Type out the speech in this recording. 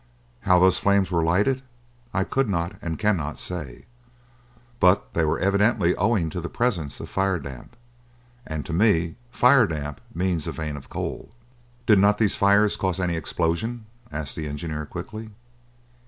How those flames were lighted, I could not and cannot say. But they were evidently owing to the presence of fire damp, and to me fire damp means a vein of coal." "Did not these fires cause any explosion?" asked the engineer quickly.